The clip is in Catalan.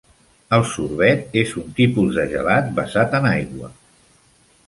El sorbet és un tipus de gelat basat en aigua